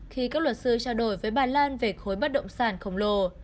khi các luật sư trao đổi với bà lan về khối bất động sản khổng lồ